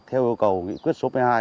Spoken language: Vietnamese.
theo yêu cầu nghị quyết số một mươi hai